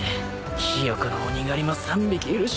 ヒヨコの鬼狩りも３匹いるしなぁ